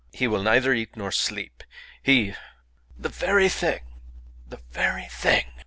He will neither eat nor sleep. He " "The very thing! The very thing!"